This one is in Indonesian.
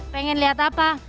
pengen lihat apa